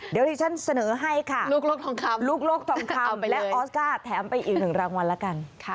เดี๋ยวดิฉันเสนอให้ค่ะลูกลกทองคำ